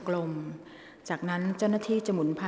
กรรมการท่านที่ห้าได้แก่กรรมการใหม่เลขเก้า